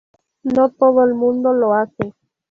No todo el mundo lo hace".